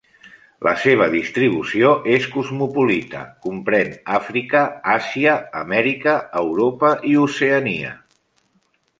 La seva distribució és cosmopolita; comprèn Àfrica, Àsia, Amèrica, Europa i Oceania.